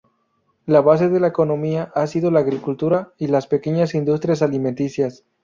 La base de la economía ha sido la agricultura y las pequeñas industrias alimenticias.